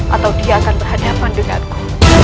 atau dia akan berhadapan denganku